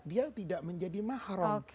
dia tidak menjadi mahrum